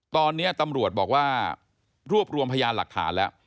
ตอนนี้ตำรวจบอกว่ารวบรวมพยานหลักฐานแล้ว